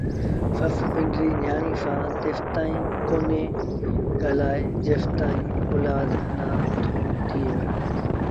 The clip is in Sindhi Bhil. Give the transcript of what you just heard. سس پنڊري نيٚآڻي سآݩ تيسائيٚݩ ڪونهيٚ ڳآلآئي جيستائيٚݩ اولآد نا ٿئي وهي